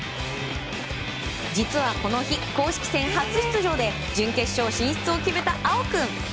実はこの日、公式戦初出場で準決勝進出を決めた有生君。